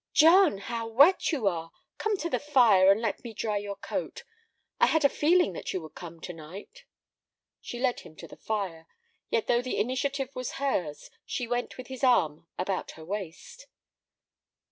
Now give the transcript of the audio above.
"John, how wet you are! Come to the fire, and let me dry your coat. I had a feeling that you would come to night." She led him to the fire; yet though the initiative was hers, she went with his arm about her waist.